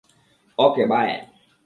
অকে, বায়!